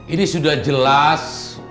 ini sudah jelas